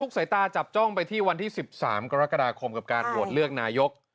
สายตาจับจ้องไปที่วันที่๑๓กรกฎาคมกับการโหวตเลือกนายก